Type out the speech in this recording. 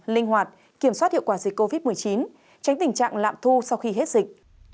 linh hoạt kiểm soát hiệu quả dịch covid một mươi chín tránh tình trạng lạm thu sau khi hết dịch